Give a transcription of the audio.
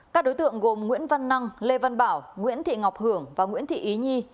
các đối tượng gồm nguyễn văn năng lê văn bảo nguyễn thị ngọc hưởng và nguyễn thị ý nhi